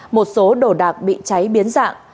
một số đồ đạc bị cháy biến dạng